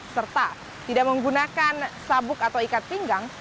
serta tidak menggunakan sabuk atau ikat pinggang